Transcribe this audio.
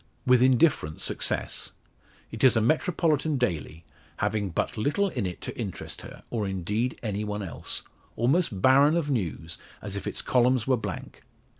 With indifferent success. It is a Metropolitan daily, having but little in it to interest her, or indeed any one else; almost barren of news, as if its columns were blank.